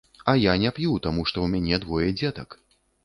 А я не п'ю таму, што ў мяне двое дзетак.